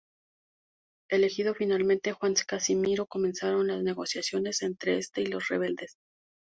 Elegido finalmente Juan Casimiro, comenzaron las negociaciones entre este y los rebeldes.